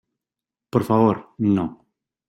por favor, no.